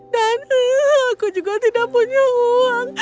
dan aku juga tidak punya uang